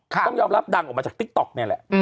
ต้องยอมรับดังออกมาจากติ๊กต๊อกนี่แหละ